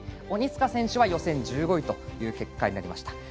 鬼塚選手は予選１５位という結果になりました。